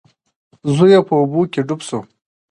زوی یې په اوبو کې ډوب شو.